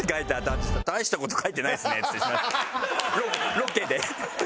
ロケで。